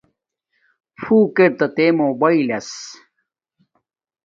فونک ارݵتا تے موباݵلس